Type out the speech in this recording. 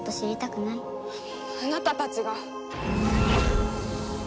あなたたちが！